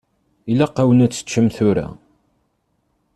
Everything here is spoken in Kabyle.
Ilaq-awen ad teččem tura.